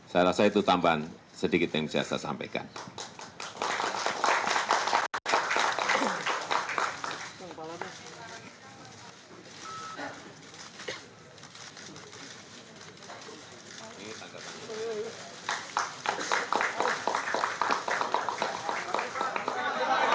dan dari partai keuangan dan keuangan dan keuangan hatan perthoar eharto juga telah tanda tangan beserta sekjen